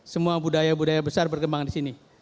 semua budaya budaya besar berkembang di sini